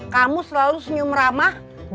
kamu selalu senyum ramah